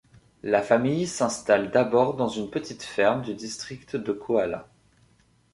La famille s'installe d'abord dans une petite ferme du district de Kohala.